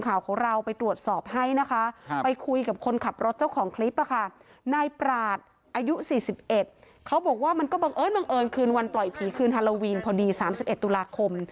เขาบอกว่ามันก็บังเอิญคืนวันปล่อยผีคืนฮาโลวีนพอดี๓๑ธุราคม